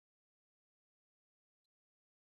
د افغانستان جغرافیه کې انګور ستر اهمیت لري.